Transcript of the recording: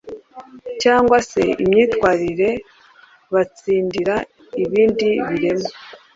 cyangwa se imyitwarire batsindira ibindi biremwa